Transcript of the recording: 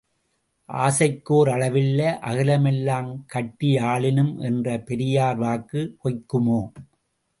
ஆசைக்கோரளவில்லை அகிலமெல்லாங் கட்டியாளினும் என்ற பெரியார் வாக்கு பொய்க்குமோ!